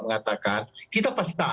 mengatakan kita pasti tak